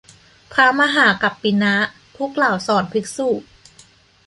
พระมหากัปปินะ ผู้กล่าวสอนภิกษุ